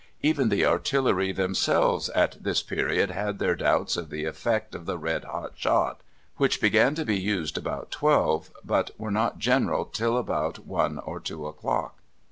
Even the artillery themselves at this period had their doubts of the effect of the red hot shot, which began to be used about twelve, but were not general till between one and two o'clock."